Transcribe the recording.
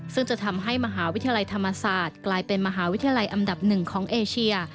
ซึ่งจะทำให้มหาวิทยาลัยธรรมศาสตร์กลายเป็นมหาวิทยาลัยอันดับหนึ่งของเอเชีย